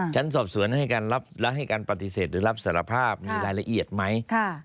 ชั้นสอบสวนและให้การปฏิเสธหรือรับสารภาพมีรายละเอียดไหม